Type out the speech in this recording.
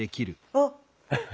あっ！